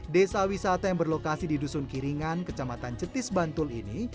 desa wisata yang berlokasi di dusun kiringan kecamatan cetis bantul ini